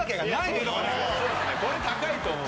これ高いと思う。